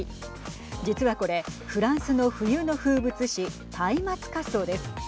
実はこれフランスの冬の風物詩たいまつ滑走です。